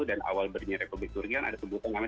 dan awal berdiri republik turki kan ada sebutan namanya